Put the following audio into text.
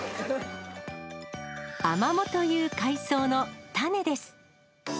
アマモという海草の種です。